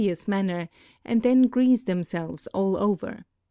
s manner ami then j.'rea.se themselves all over.